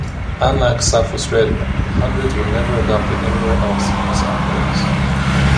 Unlike South Australia, the hundreds were never adopted anywhere else in New South Wales.